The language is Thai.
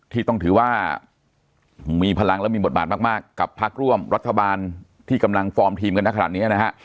ที่ต้องถือว่ามีพลังและมีบทบาทมากกับพักร่วมรัฐบาลที่กำลังฟอร์มทีมกันนะขนาดนี้นะฮะ